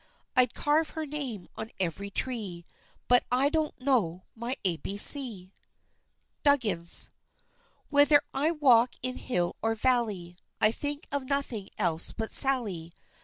I'd carve her name on every tree, But I don't know my A, B, C. DUGGINS. Whether I walk in hill or valley, I think of nothing else but Sally.